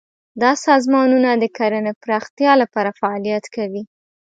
دا سازمانونه د کرنې پراختیا لپاره فعالیت کوي.